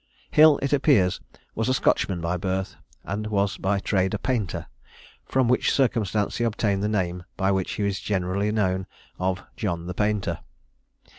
Hill, it appears, was a Scotchman by birth, and was by trade a painter; from which circumstance he obtained the name by which he is generally known, of "John the Painter."